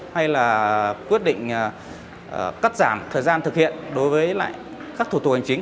hay là quyết định cắt giảm thời gian thực hiện đối với lại các thủ tục hành chính